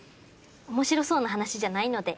面白そうな話じゃないので。